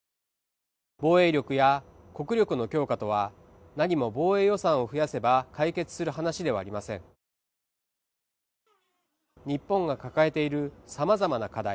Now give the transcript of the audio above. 防衛力や国力の強化とは何も防衛予算を増やせば解決する話ではありません日本が抱えているさまざまな課題